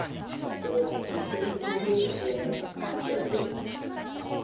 それを払拭してくれるのではないかと期待しております。